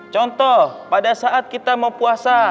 contoh pada saat kita mau puasa